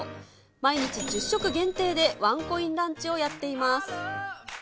毎日１０食限定でワンコインランチをやっています。